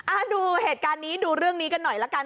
ดูเหตุการณ์นี้ดูเรื่องนี้กันหน่อยละกัน